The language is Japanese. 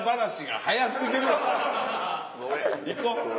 行こう。